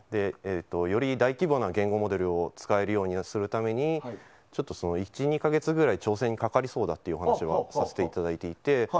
より大規模な言語モデルを使えるようにするために１２か月ぐらい調整にかかりそうだというお話をさせていただいていて。